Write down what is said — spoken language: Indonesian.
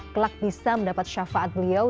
kelak bisa mendapat syafaat beliau